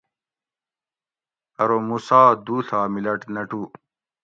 ارو موسیٰ دو ڷا میلٹ نٹو